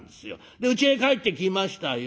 でうちへ帰ってきましたよ。